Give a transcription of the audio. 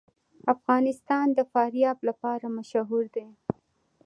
افغانستان د فاریاب لپاره مشهور دی.